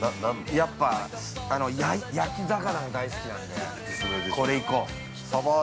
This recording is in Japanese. ◆やっぱ焼き魚が大好きなんで、これいこう。